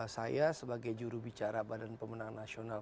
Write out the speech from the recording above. saya sebagai jurubicara badan pemenang nasional